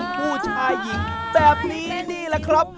ผู้ชายหญิงแบบนี้นี่แหละครับ